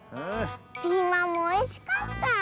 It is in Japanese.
ピーマンもおいしかった！